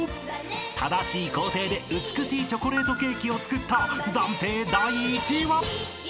［正しい工程で美しいチョコレートケーキを作った暫定第１位は？］